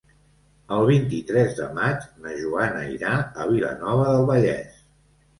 El vint-i-tres de maig na Joana irà a Vilanova del Vallès.